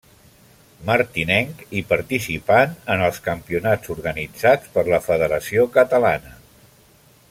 Martinenc, i participant en els campionats organitzats per la Federació Catalana.